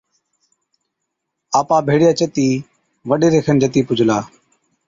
آپا ڀيڙِيا چتِي وڏيري کن جتِي پُجلا،